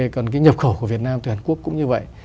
còn cái nhập khẩu của việt nam từ hàn quốc cũng như vậy